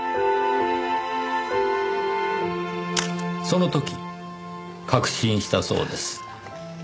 その時確信したそうです。